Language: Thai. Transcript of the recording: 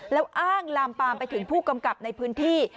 แล้วอ้างลามปามไปถึงผู้กำกับในพื้นที่